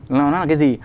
là nó là cái gì